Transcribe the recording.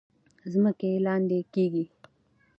ځمکې لاندې کیږي.